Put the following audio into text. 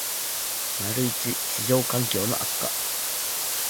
① 市場環境の悪化